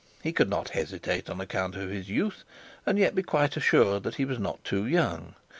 He could not hesitate on account of his youth, and yet, be quite assured that he was not too young.